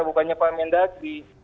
bukannya pak mendagwi